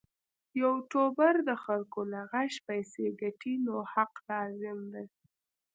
یوټوبر د خلکو له غږ پیسې ګټي نو حق لازم دی.